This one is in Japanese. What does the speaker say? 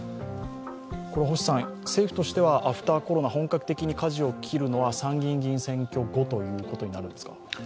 政府としてはアフター・コロナ、本格的にかじを切るのは参議院議員選挙後ということになるんですか？